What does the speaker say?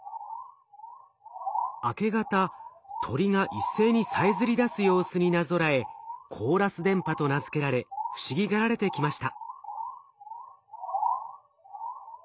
明け方鳥が一斉にさえずりだす様子になぞらえコーラス電波と名付けられ不思議がられてきました。